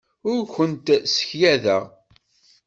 Ur kent-ssekyadeɣ.